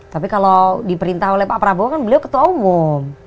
tapi kalau diperintah oleh pak prabowo kan beliau ketua umum